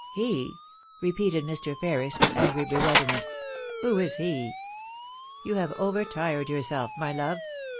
* He r repeated Mr. Ferris, with angry bewilderment ;* who is he ? You have overtired yourself, my love.